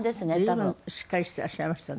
随分しっかりしていらっしゃいましたね。